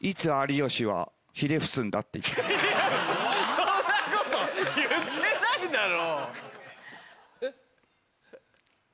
そんなこと言ってないだろ。